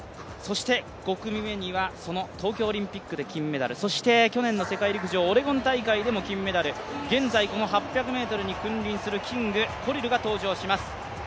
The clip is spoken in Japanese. ５組目には、東京オリンピックで金メダル、そして去年の世界陸上オレゴン大会でも金メダル現在この８００ｍに君臨するキング、コリルが登場します。